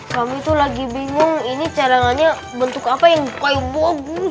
kami tuh lagi bingung ini cadangannya bentuk apa yang paling bagus